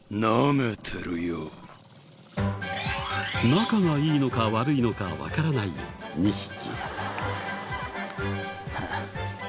仲がいいのか悪いのかわからない２匹。